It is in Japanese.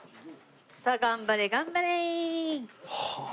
さあ頑張れ頑張れ。